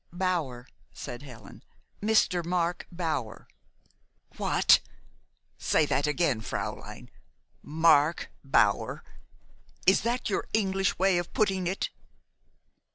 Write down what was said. "Bower," said Helen, "Mr. Mark Bower." "What! Say that again, fräulein! Mark Bower? Is that your English way of putting it?"